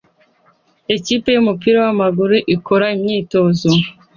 Ikipe yumupira wamaguru ikora imyitozo